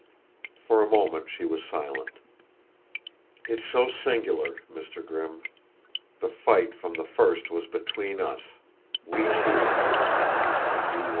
For a moment she was silent. "It's so singular, Mr. Grimm. The fight from the first was between us we two; and you won."